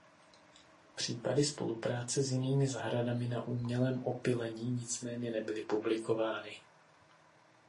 Případy spolupráce s jinými zahradami na umělém opylení nicméně nebyly publikovány.